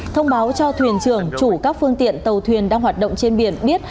thông báo cho thuyền trưởng chủ các phương tiện tàu thuyền đang hoạt động trên biển biết